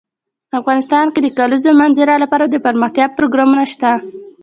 افغانستان کې د د کلیزو منظره لپاره دپرمختیا پروګرامونه شته.